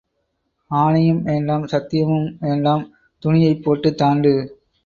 ஆணையும் வேண்டாம் சத்தியமும் வேண்டாம் துணியைப் போட்டுத் தாண்டு.